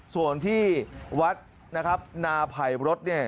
ส่วนที่วัดนะครับนาไผ่รถเนี่ย